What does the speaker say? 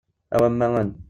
Awamma en!